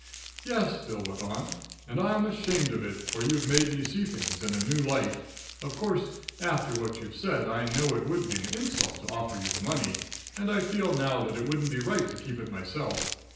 "Yes," Bill went on, "and I'm ashamed of it, for you've made me see things in a new light. Of course, after what you've said, I know it would be an insult to offer you the money. And I feel now that it wouldn't be right to keep it myself.